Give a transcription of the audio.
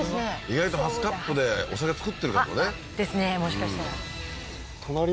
意外とハスカップでお酒造ってるかもねですね